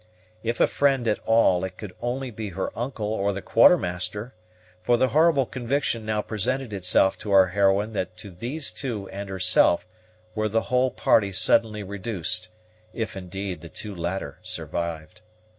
If a friend at all, it could only be her uncle or the Quartermaster; for the horrible conviction now presented itself to our heroine that to these two and herself were the whole party suddenly reduced, if, indeed, the two latter survived.